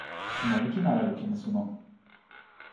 sina lukin ala lukin e suno?